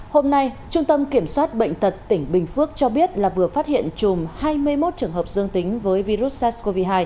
hôm nay trung tâm kiểm soát bệnh tật tỉnh bình phước cho biết là vừa phát hiện chùm hai mươi một trường hợp dương tính với virus sars cov hai